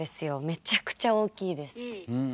めちゃくちゃ大きいです。